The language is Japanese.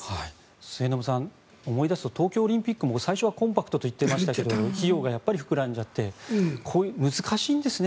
末延さん思い出すと東京オリンピックも最初はコンパクトと言ってましたが費用がやっぱり膨らんじゃって難しいんですね。